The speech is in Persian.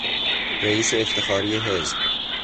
رییس افتخاری حزب